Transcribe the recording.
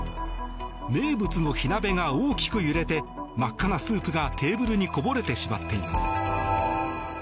名物の火鍋が大きく揺れて真っ赤なスープがテーブルにこぼれてしまっています。